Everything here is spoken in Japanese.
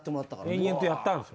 延々とやったんです。